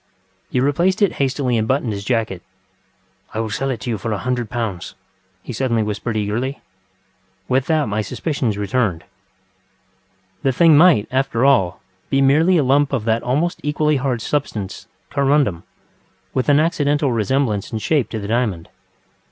ŌĆØ He replaced it hastily and buttoned his jacket. ŌĆ£I will sell it you for one hundred pounds, ŌĆØ he suddenly whispered eagerly. With that my suspicions returned. The thing might, after all, be merely a lump of that almost equally hard substance, corundum, with an accidental resemblance in shape to the diamond.